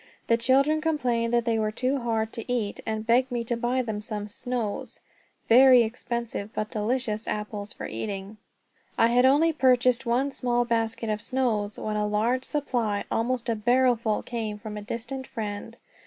The children complained that they were too hard to eat, and begged me to buy them some "Snows" very expensive, but delicious apples for eating. I had only purchased one small basket of "Snows" when a large supply, almost a barrelful, came from a distant friend.